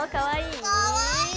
かわいい？